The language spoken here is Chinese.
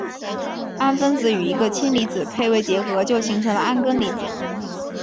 氨分子与一个氢离子配位结合就形成铵根离子。